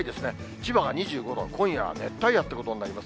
千葉が２５度、今夜は熱帯夜ということになります。